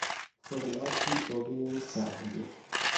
Formaggi Ovini Sardi.